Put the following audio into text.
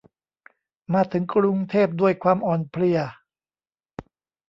มาถึงกรุงเทพด้วยความอ่อนเพลีย